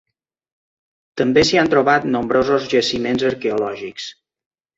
També s'hi han trobat nombrosos jaciments arqueològics.